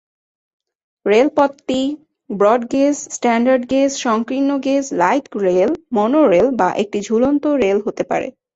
রেলপথটি broad gauge, standard gauge, সংকীর্ণ gauge, light rail, monorail, বা একটি ঝুলন্ত রেল হতে পারে।